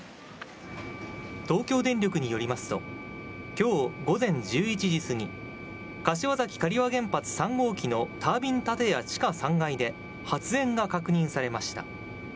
東京電力によりますと、きょう午前１１時過ぎ、柏崎刈羽原発３号機のタービン建屋地下３階で、発煙が確認されました。